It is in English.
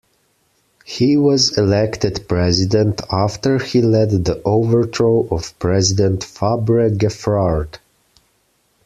He was elected president after he led the overthrow of President Fabre Geffrard.